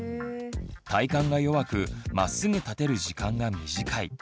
体幹が弱くまっすぐ立てる時間が短い。